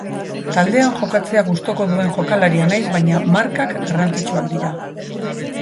Taldean jokatzea gustoko duen jokalaria naiz, baina markak garrantzitsuak dira.